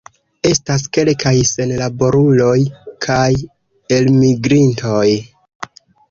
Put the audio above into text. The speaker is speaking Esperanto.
Estas kelkaj senlaboruloj kaj elmigrintoj.